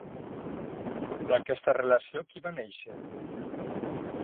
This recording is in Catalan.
D'aquesta relació qui va néixer?